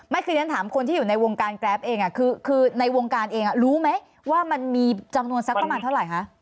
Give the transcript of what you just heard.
คือฉันถามคนที่อยู่ในวงการแกรปเองคือในวงการเองรู้ไหมว่ามันมีจำนวนสักประมาณเท่าไหร่คะ